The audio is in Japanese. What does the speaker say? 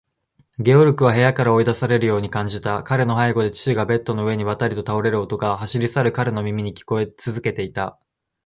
ゲオルクは部屋から追い出されるように感じた。彼の背後で父がベッドの上にばたりと倒れる音が、走り去る彼の耳に聞こえつづけていた。